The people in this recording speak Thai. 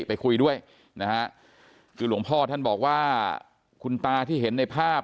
ไปคุยด้วยนะฮะคือหลวงพ่อท่านบอกว่าคุณตาที่เห็นในภาพ